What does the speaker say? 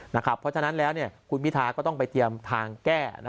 เพราะฉะนั้นแล้วคุณพิทาก็ต้องไปเตรียมทางแก้